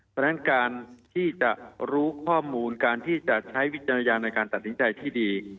เพราะฉะนั้นการที่จะรู้ข้อมูลการที่จะใช้วิจารณญาณในการตัดสินใจที่ดี